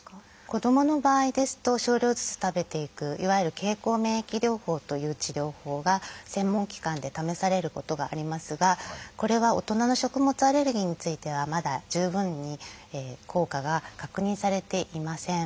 子どもの場合ですと少量ずつ食べていくいわゆる「経口免疫療法」という治療法が専門機関で試されることがありますがこれは大人の食物アレルギーについてはまだ十分に効果が確認されていません。